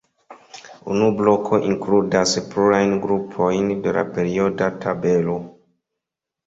Unu bloko inkludas plurajn grupojn de la perioda tabelo.